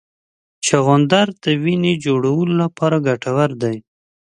چغندر د وینې جوړولو لپاره ګټور دی.